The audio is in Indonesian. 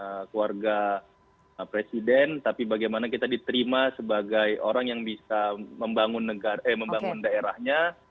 sebagai keluarga presiden tapi bagaimana kita diterima sebagai orang yang bisa membangun daerahnya